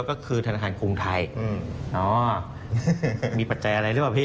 ก็คือธนาคารกรุงไทยโอ้อมีปัจจัยอะไรถูกป่าวพี่